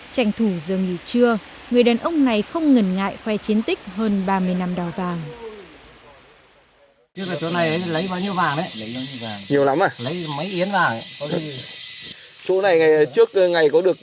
tranh thủ giờ nghỉ trưa người đàn ông này không ngần ngại khoe chiến tích hơn ba mươi năm đào vàng